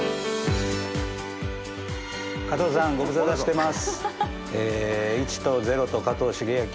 加藤さんご無沙汰してます。